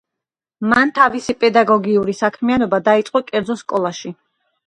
მან თავისი პედაგოგიური საქმიანობა დაიწყო კერძო სკოლაში.